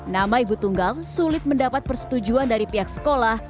nama ibu tunggang sulit mendapat persetujuan dari pihak sekolah